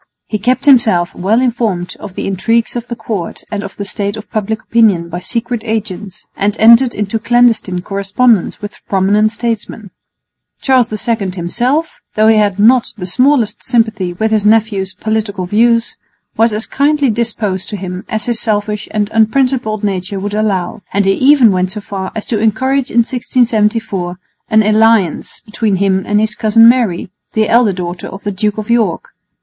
He kept himself well informed of the intrigues of the court and of the state of public opinion by secret agents, and entered into clandestine correspondence with prominent statesmen. Charles II himself, though he had not the smallest sympathy with his nephew's political views, was as kindly disposed to him as his selfish and unprincipled nature would allow, and he even went so far as to encourage in 1674 an alliance between him and his cousin Mary, the elder daughter of the Duke of York.